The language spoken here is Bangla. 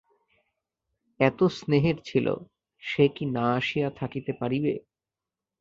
এত স্নেহের ছিল, সে কি না আসিয়া থাকিতে পারিবে।